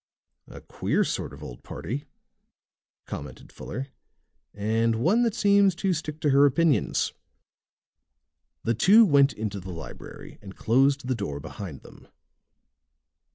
"A queer sort of old party," commented Fuller. "And one that seems to stick to her opinions." The two went into the library and closed the door behind them.